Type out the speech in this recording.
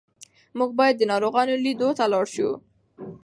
موږ باید د ناروغانو لیدو ته لاړ شو.